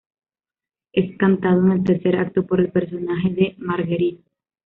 Es cantado en el tercer acto por el personaje de Marguerite.